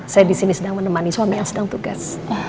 saya di sini sedang menemani suami yang sedang tugas